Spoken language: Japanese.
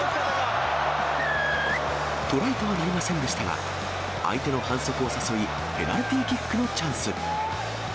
トライとはなりませんでしたが、相手の反則を誘い、ペナルティーキックのチャンス。